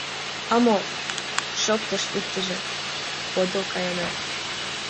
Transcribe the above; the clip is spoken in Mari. — А мо, — шоктыш иктыже, — подыл каена.